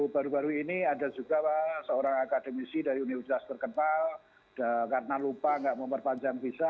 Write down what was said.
baru baru ini ada juga pak seorang akademisi dari universitas terkenal karena lupa tidak memperpanjang visa